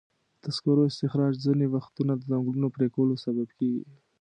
د سکرو استخراج ځینې وختونه د ځنګلونو پرېکولو سبب کېږي.